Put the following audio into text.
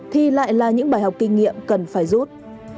thì lại là những bài học kinh nghiệm cần phải rút